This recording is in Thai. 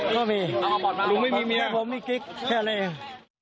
ลุงไม่มีเมียเหรอแค่ผมมีกริ๊กแค่นั้นเอง